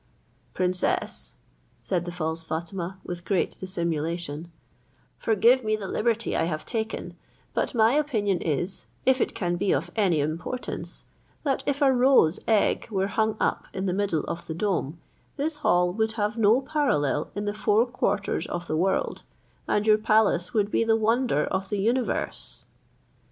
"Princess," said the false Fatima, with great dissimulation, "forgive me the liberty I have taken; but my opinion is, if it can be of any importance, that if a roe's egg were hung up in the middle of the dome, this hall would have no parallel in the four quarters of the world, and your palace would be the wonder of the unit verse."